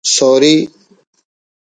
سوری